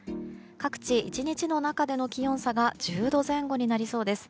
各地、１日の中での気温差が１０度前後になりそうです。